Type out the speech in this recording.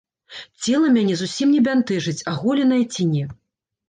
Цела мяне зусім не бянтэжыць, аголенае ці не.